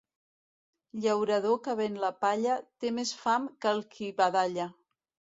Llaurador que ven la palla té més fam que el qui badalla.